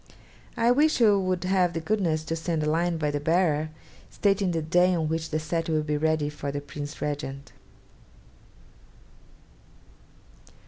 'I wish you would have the goodness to send a line by the bearer, stating the day on which the set will be ready for the Prince Regent.'